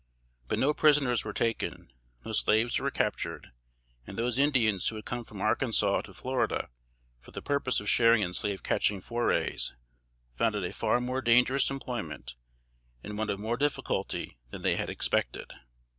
But no prisoners were taken, no slaves were captured; and those Indians who had come from Arkansas to Florida, for the purpose of sharing in slave catching forays, found it a far more dangerous employment, and one of more difficulty, than they had expected.